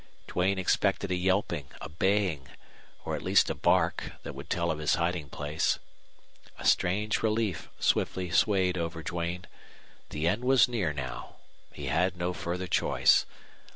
Duane expected a yelping, a baying, or at least a bark that would tell of his hiding place. A strange relief swiftly swayed over Duane. The end was near now. He had no further choice.